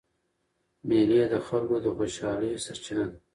مېلې د خلکو د خوشحالۍ سرچینه ده.